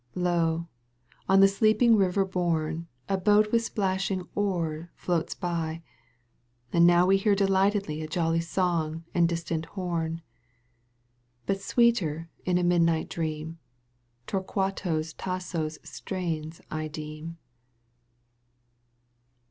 Lo ! on the sleeping river borne, A boat with splashing oar floats by, And now we hear delightedly A joUy song and distant horn ; But sweeter in a midnight dream Torquato Tasso's strains I deem.